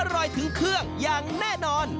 อร่อยถึงเครื่องแน่นอน